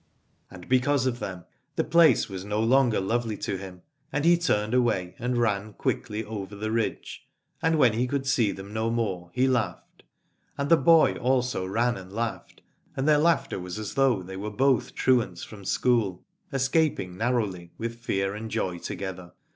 And because of them the place was no longer lovely to him, and he turned away and ran quickly over the ridge, and when he could see them no more he laughed: and the boy also ran and laughed, and their laughter was as though they were both truants from school, escaping narrowly with fear and joy together.